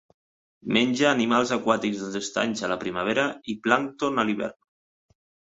Menja animals aquàtics dels estanys a la primavera i plàncton a l'hivern.